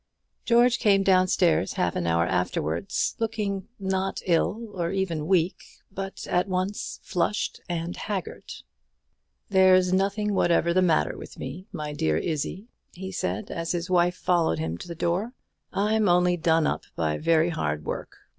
George came down stairs half an hour afterwards, looking, not ill, or even weak; but at once flushed and haggard. "There's nothing whatever the matter with me, my dear Izzie," he said, as his wife followed him to the door; "I'm only done up by very hard work.